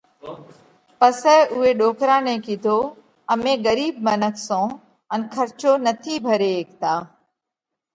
پسئہ اُوئہ ڏوڪرا نئہ ڪِيڌو: امي ڳرِيٻ منک سون ان کرچو نٿِي ڀري هيڪتا۔